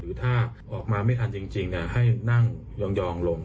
ถ้าออกมาไม่ทันจริงให้นั่งยองลง